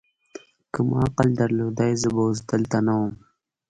که ما عقل درلودای، زه به اوس دلته نه ووم.